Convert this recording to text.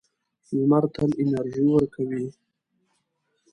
لمر تل انرژي ورکوي.